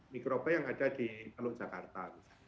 mikroba yang ada di teluk jakarta